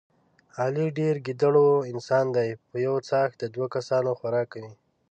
علي ډېر ګېډور انسان دی په یوه څاښت د دوه کسانو خوراک کوي.